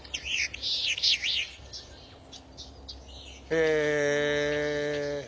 へえ。